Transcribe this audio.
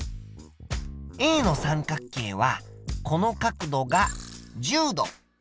Ａの三角形はこの角度が１０度。